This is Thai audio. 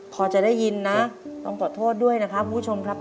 พอจะได้ยินนะต้องขอโทษด้วยนะครับคุณผู้ชมครับ